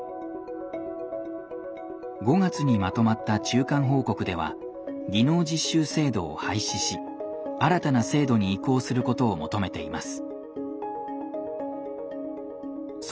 ５月にまとまった中間報告では技能実習制度を廃止し新たな制度に移行することを求めています。